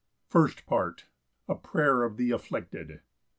First Part. A prayer of the afflicted.